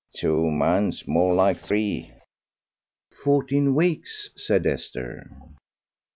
"Two months! more like three." "Fourteen weeks," said Esther.